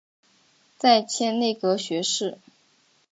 再迁内阁学士。